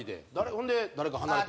ほんで誰か離れて。